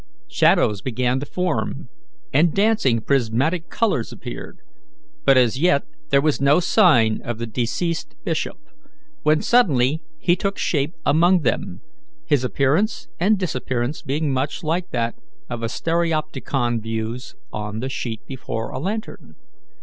Shadows began to form, and dancing prismatic colours appeared, but as yet there was no sign of the deceased bishop, when suddenly he took shape among them, his appearance and disappearance being much like that of stereopticon views on the sheet before a lantern.